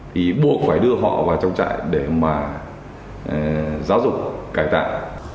thì buộc phải đưa họ vào trong trại để mà giáo dục cải tạo